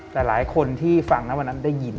แต่หลายคนที่ฟังนะวันนั้นได้ยิน